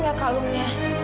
liat gak kak lumia